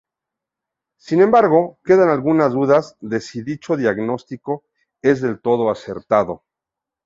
Sin embargo, quedan algunas dudas de si dicho diagnóstico es del todo acertado.